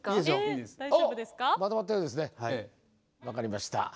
分かりました。